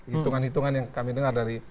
hitungan hitungan yang kami dengar dari